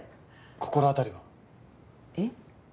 心当たりは？えっ？